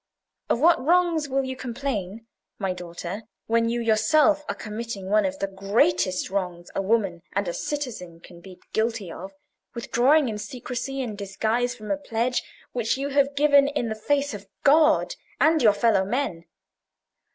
Of what wrongs will you complain, my daughter, when you yourself are committing one of the greatest wrongs a woman and a citizen can be guilty of—withdrawing in secrecy and disguise from a pledge which you have given in the face of God and your fellow men?